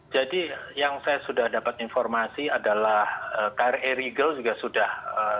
jadi yang saya sudah dapat informasi adalah kri regal juga sudah